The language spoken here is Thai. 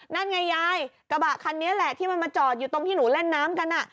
นั่นไงยายกระบะคันนี้แหละที่มันมาจอดอยู่ตรงที่หนูเล่นน้ำกัน